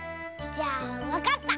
じゃあわかった！